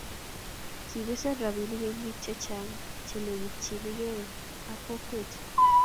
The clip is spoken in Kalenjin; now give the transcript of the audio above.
kibesen robinik eng' biik chechang' che lekitchi i gei ak kokwet.